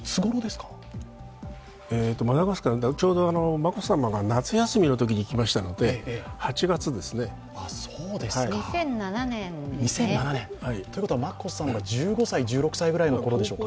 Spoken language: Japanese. ちょうど眞子さまが夏休みのときに行きましたので２００７年ですね。ということは、眞子さまが１５１６歳くらいのころでしょうか。